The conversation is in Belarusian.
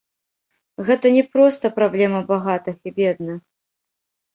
Гэта не проста праблема багатых і бедных.